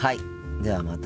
ではまた。